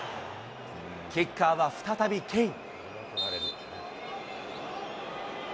キッカーは再びケイン。